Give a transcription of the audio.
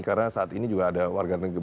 karena saat ini juga ada warga negara